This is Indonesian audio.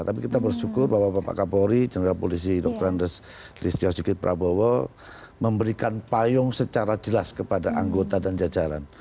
tapi kita bersyukur bahwa pak kapolri general polisi dr lestri osjigit prabowo memberikan payung secara jelas kepada anggota dan jajaran